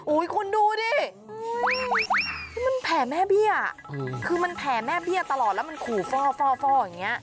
คุณดูดินี่มันแผ่แม่เบี้ยคือมันแผ่แม่เบี้ยตลอดแล้วมันขู่ฟ่ออย่างนี้